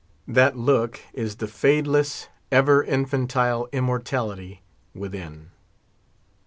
That look is the fadeless, ever infantile immortality within.